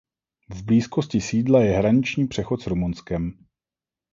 V blízkosti sídla je hraniční přechod s Rumunskem.